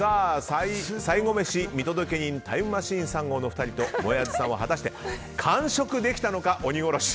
最後メシ見届け人タイムマシーン３号ともえあずさんは果たして完食できたのか、鬼殺し。